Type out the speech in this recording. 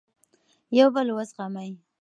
یو بل وزغمئ.